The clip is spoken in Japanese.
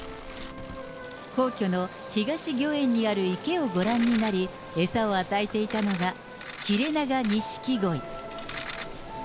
皇居の東御苑にある池をご覧になり、餌を与えていたのが、ヒレナガニシキゴイ。